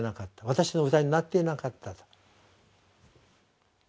私の歌になっていなかったと。